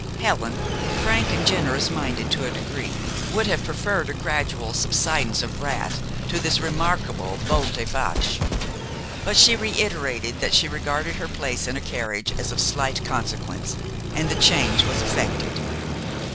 Helen, frank and generous minded to a degree, would have preferred a gradual subsidence of wrath to this remarkable volte face. But she reiterated that she regarded her place in a carriage as of slight consequence, and the change was effected.